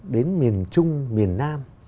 đến miền trung miền nam